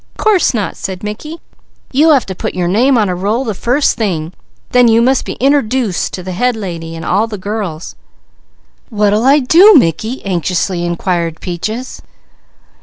"Course not!" said Mickey. "You have to put your name on a roll the first thing, then you must be interdooced to the Head Lady and all the girls." "What'll I do Mickey?" anxiously inquired Peaches.